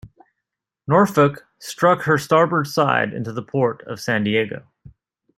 "Norfolk" struck her starboard side into the port side of "San Diego".